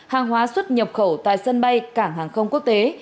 hàng hóa xuất nhập khẩu tại sân bay cảng hàng không quốc tế